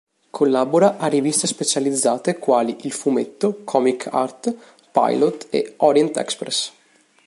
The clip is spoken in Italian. Collabora a riviste specializzate quali "Il fumetto", "Comic Art", "Pilot" e "Orient Express".